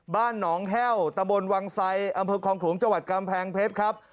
บ้านหนองแห้วตะบนวังไซอำเภอคลองขลุงจังหวัดกำแพงเพชรครับ